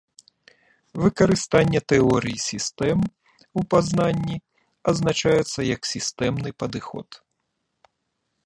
Выкарыстанне тэорыі сістэм у пазнанні азначаецца як сістэмны падыход.